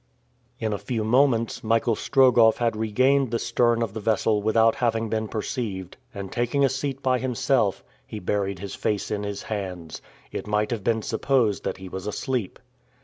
In a few moments Michael Strogoff had regained the stern of the vessel without having been perceived, and, taking a seat by himself, he buried his face in his hands. It might have been supposed that he was asleep.